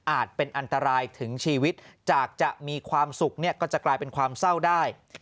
เป็นอันตรายถึงชีวิตจากจะมีความสุขเนี่ยก็จะกลายเป็นความเศร้าได้